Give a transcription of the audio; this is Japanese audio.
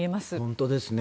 本当ですね。